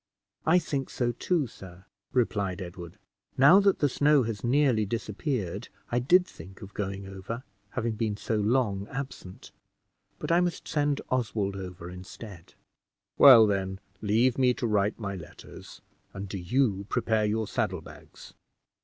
"I think so too, sir," replied Edward; "now that the snow has nearly disappeared, I did think of going over, having been so long absent, but I must send Oswald over instead." "Well, then, leave me to write my letters, and do you prepare your saddle bags.